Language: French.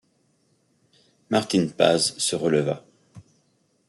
Martin Paz se releva.